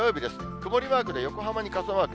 曇りマークで、横浜に傘マーク。